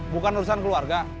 bukan urusan keluarga